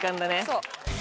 そう。